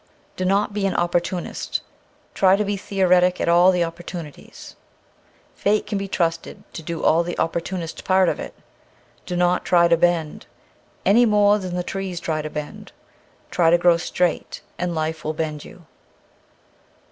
Do not be an opportunist ; try to be theoretic at all the opportunities ; fate can be trusted to do all the opportunist part of it. Do not try to bend ; any more than the trees try to bend. Try to grow straight ; and life will bend you.